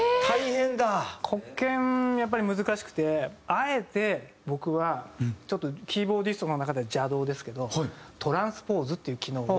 あえて僕はちょっとキーボーディストの中では邪道ですけどトランスポーズっていう機能を。